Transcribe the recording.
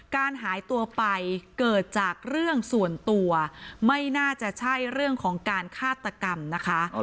การหายตัวไปเกิดจากเรื่องส่วนตัวไม่น่าจะใช่เรื่องของการฆาตกรรมนะคะ